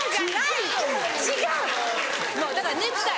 もうだからネクタイ。